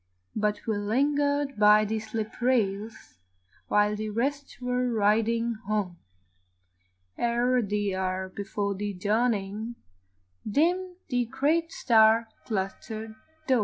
But we lingered by the slip rails While the rest were riding home, Ere the hour before the dawning, Dimmed the great star clustered dome.